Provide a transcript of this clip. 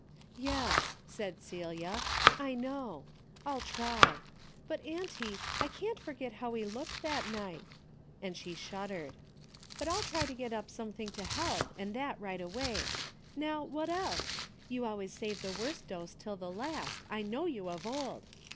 " Yes," said Celia, " I know. I'll try. But, auntie, I can't forget how he looked that night," and she shuddered. "But I'll try to get up something to help and that right away. How what else? You always save the worst dose till the last, I know you of old.